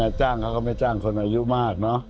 จ้างเขาก็ไม่จ้างคนอายุมากเนอะ